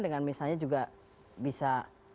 dengan misalnya juga bisa